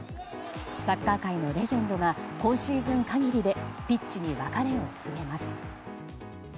サッカー界のレジェンドが今シーズン限りでピッチに別れを告げます。